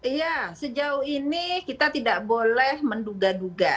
iya sejauh ini kita tidak boleh menduga duga